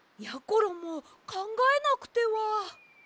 ころもかんがえなくては。